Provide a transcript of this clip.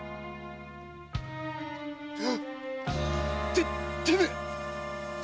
ててめえ！